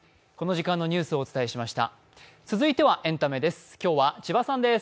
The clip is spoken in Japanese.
続いてはエンタメです。